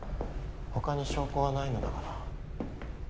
ほかに証拠はないのだから。